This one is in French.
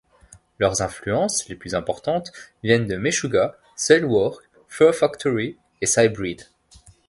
Leurs influences les plus importantes viennent de Meshuggah, Soilwork, Fear Factory et Sybreed.